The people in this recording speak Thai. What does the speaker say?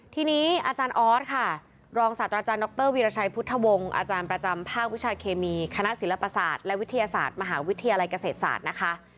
ทีนี้อาจารย์ออสค่ะรองศาสตราจารย์ดรวีรชัยพุทธวงศ์อาจารย์ประจำภาควิชาเคมีคณะศิลปศาสตร์และวิทยาศาสตร์มหาวิทยาลัยเกษตรศาสตร์นะคะ